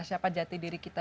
siapa jati diri kita